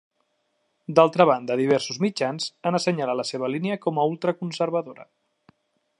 D'altra banda, diversos mitjans han assenyalat la seva línia com a ultraconservadora.